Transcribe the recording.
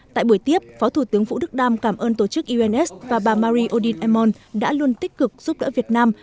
tại buổi tiếp phó thủ tướng vũ đức đam cảm ơn tổ chức uns và bà mari odin emon đã luôn tích cực giúp đỡ việt nam